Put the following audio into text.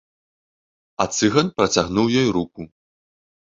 А цыган працягнуў ёй руку.